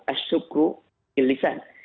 ashukru bil lisan